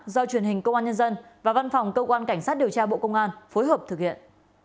do truyền hình công an nhân dân và văn phòng cơ quan cảnh sát điều tra bộ công an phối hợp thực hiện